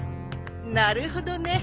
なるほどね。